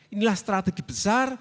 inilah strategi besar